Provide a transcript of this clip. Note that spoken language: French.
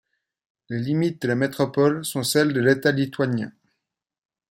Les limites de la métropole sont celles de l'État lituanien.